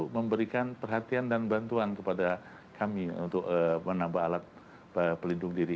memberikan perhatian dan bantuan kepada kami untuk menambah alat pelindung diri